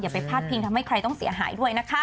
ไปพาดพิงทำให้ใครต้องเสียหายด้วยนะคะ